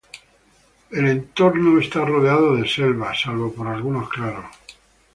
El entorno estaba rodeado de selva, salvo por algunos claros.